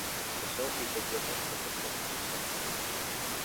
The show featured different participants each episode.